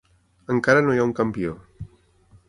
Encara no hi ha un campió.